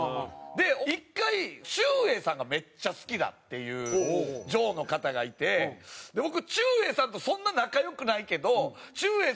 で一回ちゅうえいさんがめっちゃ好きだっていう嬢の方がいて僕ちゅうえいさんとそんな仲良くないけどちゅうえいさん